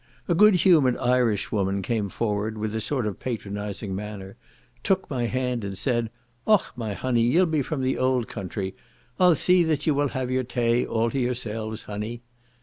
A good humoured Irish woman came forward with a sort of patronising manner, took my hand, and said, "Och, my honey, ye'll be from the old country. I'll see you will have your tay all to yourselves, honey."